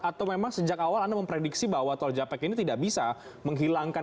atau memang sejak awal anda memprediksi bahwa tol japek ini tidak bisa menghilangkan